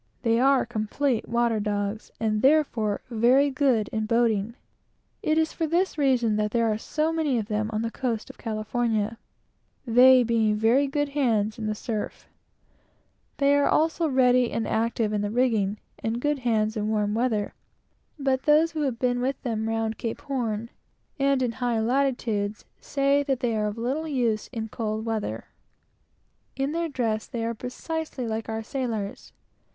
They are complete water dogs, therefore very good in boating. It is for this reason that there are so many of them on the coast of California; they being very good hands in the surf. They are also quick and active in the rigging, and good hands in warm weather; but those who have been with them round Cape Horn, and in high latitudes, say that they are useless in cold weather. In their dress they are precisely like our sailors.